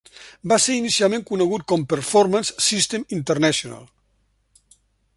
Va ser inicialment conegut com performance Systems International.